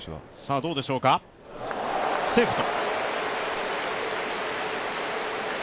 どうでしょうか、セーフと。